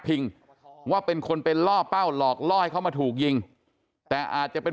พิงว่าเป็นคนเป็นล่อเป้าหลอกล่อให้เขามาถูกยิงแต่อาจจะเป็น